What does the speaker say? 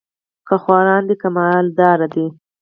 که خواران دي که مال دار دي